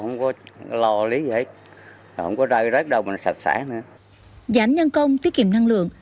giảm nhân công tiết kiệm năng lượng